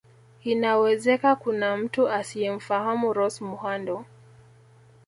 Inawezeka kuna mtu asiyemfahamu Rose Muhando